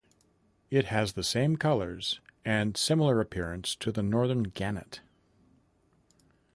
It has the same colours and similar appearance to the northern gannet.